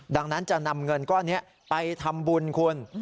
ดังนั้นจะนำเงินก้อนนี้ไปทำบุญคุณ